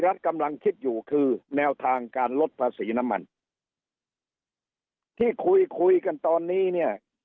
รัฐกำลังคิดอยู่คือแนวทางการลดภาษีน้ำมันที่คุยคุยกันตอนนี้เนี่ย